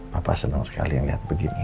papa senang sekali liat begini